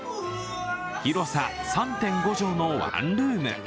広さ３．５畳のワンルーム。